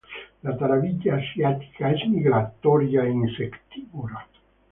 La tarabilla asiática es migratoria e insectívora.